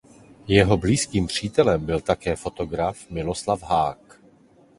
Jeho blízkým přítelem byl také fotograf Miroslav Hák.